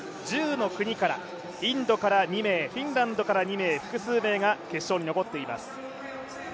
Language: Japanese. １０の国からインドから２名、フィンランドから２名、複数名が決勝に残っています。